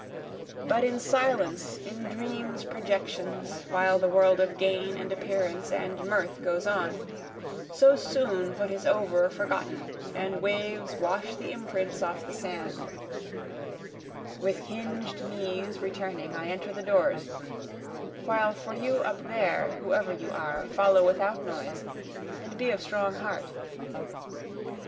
But in silence, in dreams' projections, While the world of gain and appearance and mirth goes on, So soon what is over forgotten, and waves wash the imprints off the sand, With hinged knees returning I enter the doors, (while for you up there, Whoever you are, follow without noise and be of strong heart.)